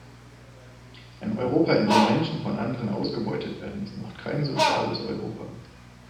Ein Europa, in dem Menschen von anderen ausgebeutet werden, ist noch kein soziales Europa!